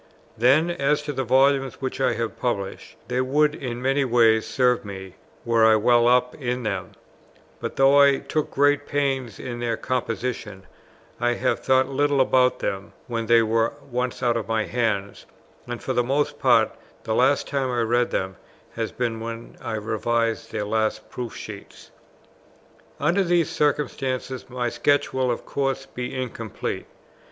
Then, as to the volumes which I have published, they would in many ways serve me, were I well up in them: but though I took great pains in their composition, I have thought little about them, when they were once out of my hands, and for the most part the last time I read them has been when I revised their last proof sheets. Under these circumstances my sketch will of course be incomplete.